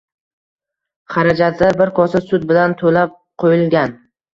Xarajatlar bir kosa sut bilan toʻlab qoʻyilgan